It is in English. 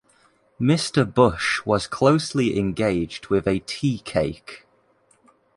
Mr. Bush was closely engaged with a tea-cake.